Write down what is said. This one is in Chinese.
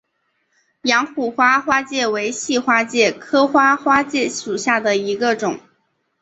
阳虎花花介为细花介科花花介属下的一个种。